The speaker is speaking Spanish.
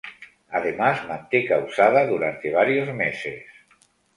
Además manteca usada durante varios meses.